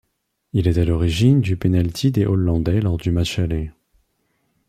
Il est à l'origine du penalty des hollandais lors du match aller.